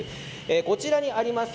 こちらにあります